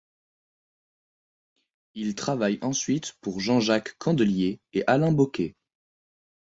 Il travaille ensuite pour Jean-Jacques Candelier et Alain Bocquet.